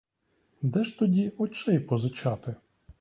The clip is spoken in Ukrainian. Де ж тоді очей позичати?